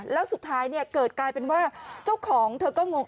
แล้วสุดท้ายเกิดกลายเป็นว่าเจ้าของเธอก็งง